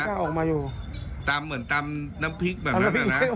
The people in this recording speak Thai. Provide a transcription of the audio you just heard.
ตำเหมือนตำน้ำพริกแบบนั้นนะ